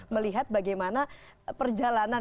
melihat bagaimana perjalanan